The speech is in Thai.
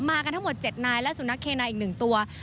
กันทั้งหมด๗นายและสุนัขเคนายอีก๑ตัว